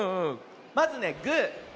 まずねグー。